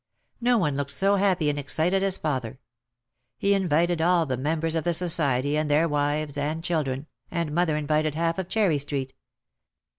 No one looked so happy and excited as father. He invited all the members of the society, and their wives and children, and mother invited half of Cherry Street.